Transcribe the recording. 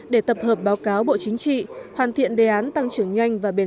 để tập hợp báo cáo bộ chính trị hoàn thiện đề án tăng trưởng và phát triển